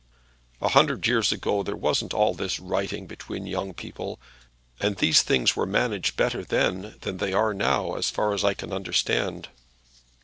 "A hundred years ago there wasn't all this writing between young people, and these things were managed better then than they are now, as far as I can understand."